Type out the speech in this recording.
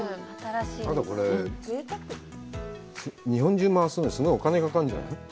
ただこれ、日本中回すのにすごいお金がかかるんじゃない？